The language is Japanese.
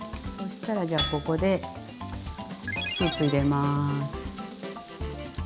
そしたらじゃあここでスープ入れます。